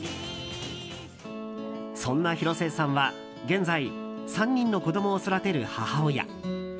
そんな広末さんは現在３人の子供を育てる母親。